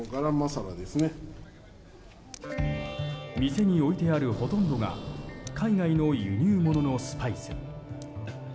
店に置いてあるほとんどが海外の輸入物のスパイス。